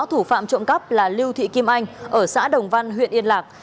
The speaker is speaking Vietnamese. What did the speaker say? thủ phạm trộm cắp là lưu thị kim anh ở xã đồng văn huyện yên lạc